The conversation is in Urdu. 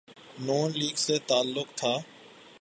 نون لیگ سے تعلق تھا۔